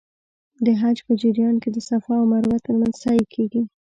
د حج په جریان کې د صفا او مروه ترمنځ سعی کېږي.